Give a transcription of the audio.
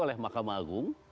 oleh mahkamah agung